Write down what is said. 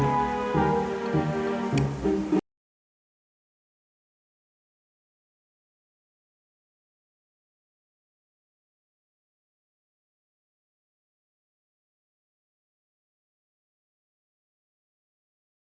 tapi kemarin dengak peng rm tiga